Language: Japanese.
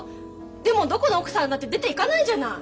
でもどこの奥さんだって出ていかないじゃない。